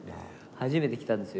初めて来たんですよ